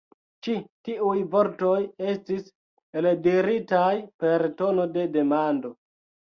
Ĉi tiuj vortoj estis eldiritaj per tono de demando.